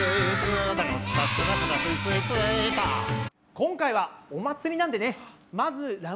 今回はお祭りなんでね